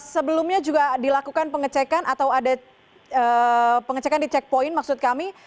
sebelumnya juga dilakukan pengecekan atau ada pengecekan di checkpoint maksud kami